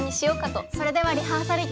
それではリハーサルいきます。